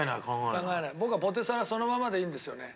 僕はポテサラそのままでいいんですよね。